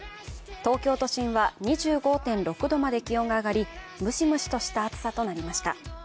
東京都心は２５．６度まで気温が上がりムシムシとした陽気となりました。